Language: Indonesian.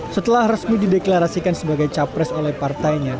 setelah resmi dideklarasikan sebagai capres oleh partainya